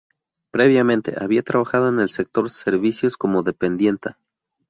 Previamente había trabajado en el sector servicios como dependienta.